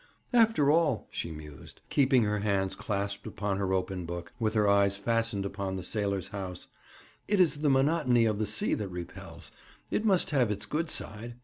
'After all,' she mused, keeping her hands clasped upon her open book, with her eyes fastened upon the sailors' house, 'it is the monotony of the sea that repels. It must have its good side.